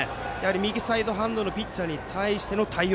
右サイドハンドのピッチャーに対しての反応。